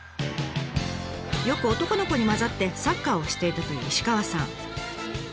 よく男の子に交ざってサッカーをしていたという石川さん。